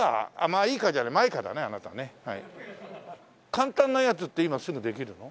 簡単なやつって今すぐできるの？